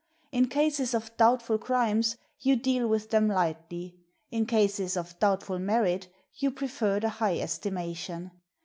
In cases of doubtful crimes, you deal with them lightly; in cases of doubtful merit, you prefer the high estimation.